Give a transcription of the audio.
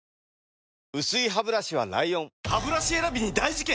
薄いハブラシは ＬＩＯＮハブラシ選びに大事件！